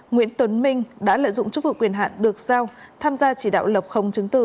nguyễn tuấn minh đã lợi dụng chức vụ quyền hạn được giao tham gia chỉ đạo lập khống chứng từ